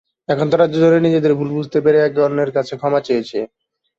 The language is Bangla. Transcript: এখন তাঁরা দুজনেই নিজেদের ভুল বুঝতে পেরে একে অন্যের কাছে ক্ষমা চেয়েছে।